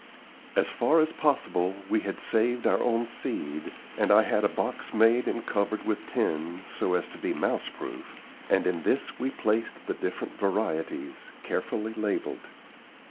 As far as possible we had saved our own seed, and I had had a box made and covered with tin, so as to be mouse proof, and in this we placed the different varieties, carefully labelled.